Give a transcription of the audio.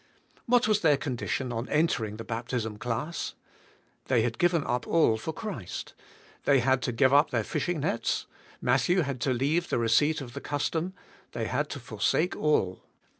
What was their condition on entering the baptism class? They had g iven up all for Christ. They had to g ive up their fishing nets; Matthew had to leave the receipt of the custom; they had to forsake all.